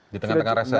di tengah tengah reses